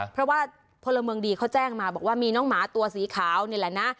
เพราะว่าพลเมืองดีเขาแจ้งมาบอกว่ามีน้องหมาตัวสีขาวนี่แหละนะ